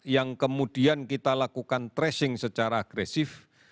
yang kemudian kita lakukan tracing secara agresif